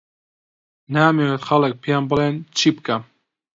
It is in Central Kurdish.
نامەوێت خەڵک پێم بڵێن چی بکەم.